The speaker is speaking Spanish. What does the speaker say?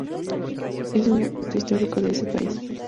Es un monumento histórico de ese país.